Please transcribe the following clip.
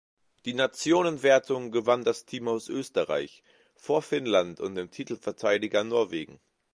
Die Nationenwertung gewann das Team aus Österreich, vor Finnland und dem Titelverteidiger Norwegen.